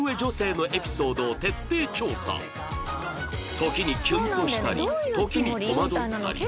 時にキュンとしたり時に戸惑ったり